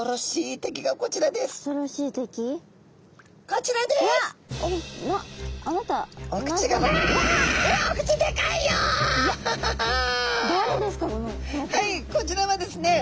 こちらはですね